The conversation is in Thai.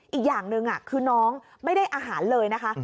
อีกอย่างหนึ่งคือน้องไม่ได้อาหารเลยนะคะ